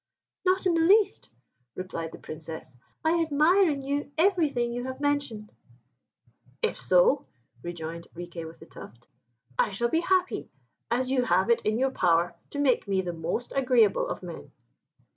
"Not in the least," replied the Princess; "I admire in you everything you have mentioned." "If so," rejoined Riquet with the Tuft, "I shall be happy, as you have it in your power to make me the most agreeable of men."